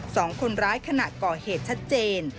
สองคนร้ายขณะก่อเหตุชัดเจน